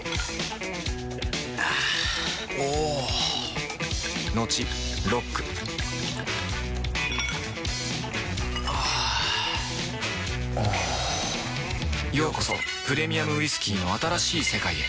あぁおぉトクトクあぁおぉようこそプレミアムウイスキーの新しい世界へ